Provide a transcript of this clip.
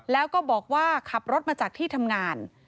แล้วก็บอกว่าขับรถมาจากที่ทำงาน